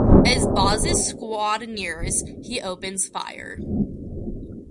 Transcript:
As Bozz's squad nears, he opens fire.